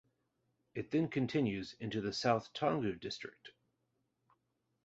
It then continues into the South Tongu District.